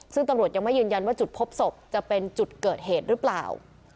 ซึ่งตำรวจยังไม่ยืนยันว่าจุดพบศพจะเป็นจุดเกิดเหตุหรือเปล่า